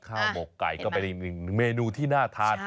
หมกไก่ก็เป็นอีกหนึ่งเมนูที่น่าทาน